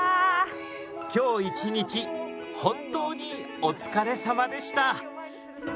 今日一日本当にお疲れさまでした。